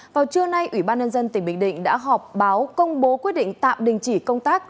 vào trưa nay ủy ban nhân dân tỉnh bình định đã họp báo công bố quyết định tạm đình chỉ công tác